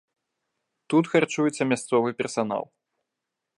Тут харчуецца мясцовы персанал.